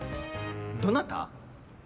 どなた？